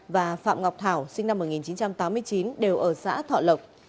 và phạm ngọc thảo sinh năm một nghìn chín trăm tám mươi chín đều ở xã thọ lộc